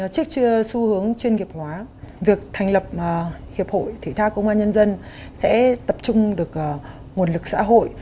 trước xu hướng chuyên nghiệp hóa việc thành lập hiệp hội thể thao công an nhân dân sẽ tập trung được nguồn lực xã hội